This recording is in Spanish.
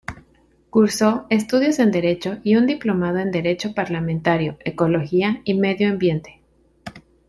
Cursó Estudios en derecho y un diplomado en Derecho Parlamentario, Ecología y Medio Ambiente.